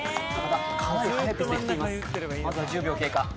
まずは１０秒経過